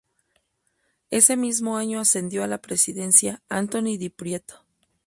Ese mismo año ascendió a la presidencia Anthony Di Pietro.